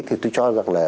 thì tôi cho rằng là